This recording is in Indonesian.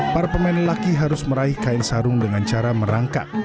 para pemain lelaki harus meraih kain sarung dengan cara merangkak